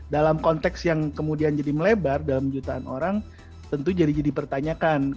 dalam konteks yang kemudian jadi melebar dalam jutaan orang tentu jadi pertanyakan